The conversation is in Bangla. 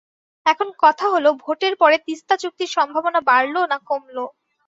এখন কথা হলো ভোটের পরে তিস্তা চুক্তির সম্ভাবনা বাড়ল না কমল?